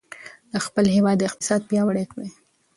د خپل هېواد اقتصاد پیاوړی کړئ.